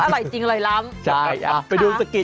อร่อยจริงอร่อยล้ำ